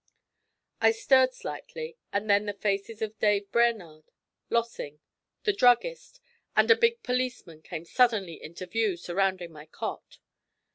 I stirred slightly, and then the faces of Dave Brainerd, Lossing, the druggist, and a big policeman came suddenly into view surrounding my cot.